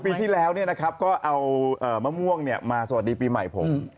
ปีที่แล้วเนี่ยนะครับก็เอามะม่วงเนี่ยมาสวัสดีปีใหม่ผม